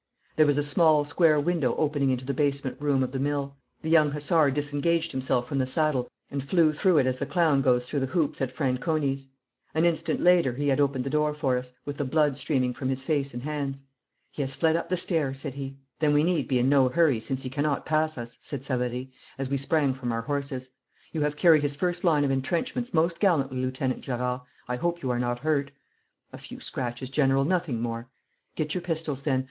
There was a small, square window opening into the basement room of the mill. The young hussar disengaged himself from the saddle and flew through it as the clown goes through the hoops at Franconi's. An instant later he had opened the door for us, with the blood streaming from his face and hands. 'He has fled up the stair,' said he. 'Then we need be in no hurry, since he cannot pass us,' said Savary, as we sprang from our horses. 'You have carried his first line of entrenchments most gallantly, Lieutenant Gerard. I hope you are not hurt?' 'A few scratches, General, nothing more.' 'Get your pistols, then.